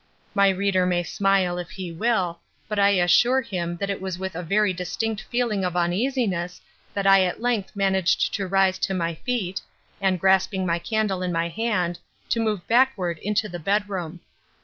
My reader may smile if he will, but I assure him that it was with a very distinct feeling of uneasiness that I at length managed to rise to my feet, and, grasping my candle in my hand, to move backward into the bedroom.